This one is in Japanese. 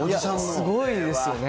すごいですよね。